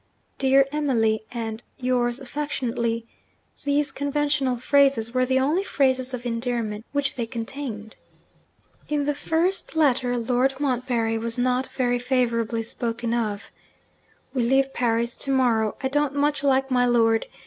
'Dear Emily,' and 'Yours affectionately' these conventional phrases, were the only phrases of endearment which they contained. In the first letter, Lord Montbarry was not very favourably spoken of: 'We leave Paris to morrow. I don't much like my lord.